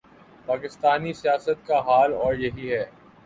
پاکستانی سیاست کا حال اور یہی ہے۔